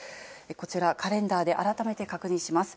こちら、カレンダーで改めて確認します。